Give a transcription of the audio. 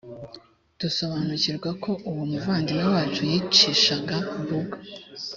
dusobanukirwa ko uwo muvandimwe wacu yicishaga bugu